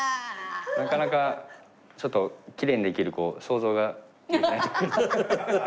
なかなかちょっときれいにできる想像ができない。